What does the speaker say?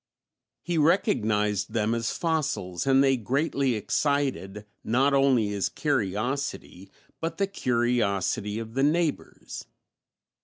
He recognized them as fossils and they greatly excited, not only his curiosity, but the curiosity of the neighbors.